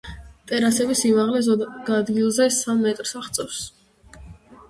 ტერასების სიმაღლე ზოგ ადგილზე სამ მეტრს აღწევს.